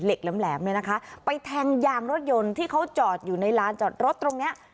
แหลมเนี่ยนะคะไปแทงยางรถยนต์ที่เขาจอดอยู่ในลานจอดรถตรงเนี้ย